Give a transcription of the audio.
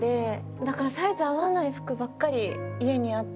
だからサイズ合わない服ばっかり家にあって。